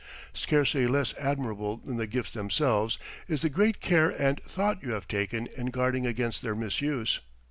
Scarcely less admirable than the gifts themselves is the great care and thought you have taken in guarding against their misuse.